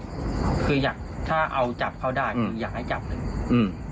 คือถ้าเอาจับเขาได้คืออยากให้จับหนึ่ง